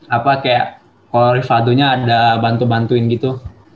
apa kayak cory faldonya ada bantu bantuin gitu